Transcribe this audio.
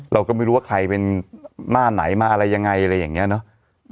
เราก็ไม่รู้ว่าใครเป็นหน้าไหนมาอะไรยังไงอะไรอย่างนี้เนอะ